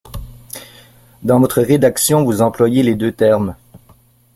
Dans votre rédaction, vous employez les deux termes.